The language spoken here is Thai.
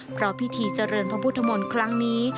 เพราะพิธีเจริญพระพุทธมนต์ครั้งนี้